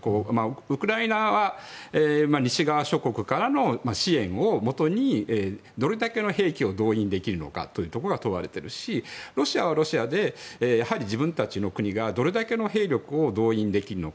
ウクライナは西側諸国からの支援をもとにどれだけの兵力を動員できるかが問われているしロシアはロシアで自分たちの国がどれだけの兵力を動員できるか。